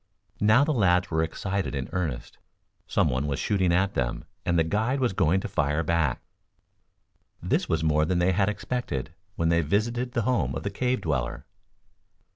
Now the lads were excited in earnest. Some one was shooting at them, and the guide was going to fire back. This was more than they had expected when they visited the home of the cave dweller.